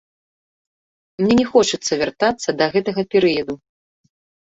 Мне не хочацца вяртацца да гэтага перыяду.